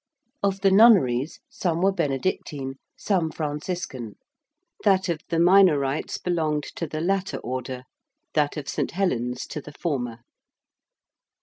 Of the nunneries some were Benedictine, some Franciscan: that of the Minorites belonged to the latter Order: that of St. Helen's, to the former.